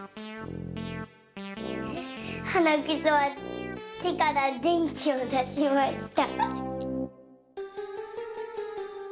はなくそはてからでんきをだしました。